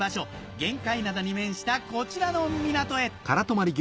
玄界灘に面したこちらの港へ